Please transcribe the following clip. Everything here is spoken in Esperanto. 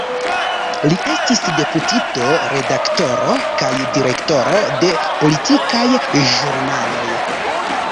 Li estis deputito, redaktoro kaj direktoro de politikaj ĵurnaloj.